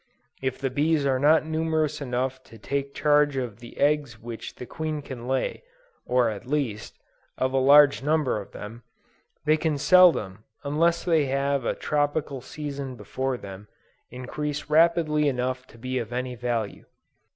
If the bees are not numerous enough to take charge of the eggs which the queen can lay, or at least, of a large number of them, they can seldom, unless they have a tropical season before them, increase rapidly enough to be of any value.